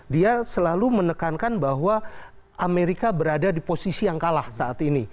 dia selalu menekankan bahwa amerika berada di posisi yang kalah saat ini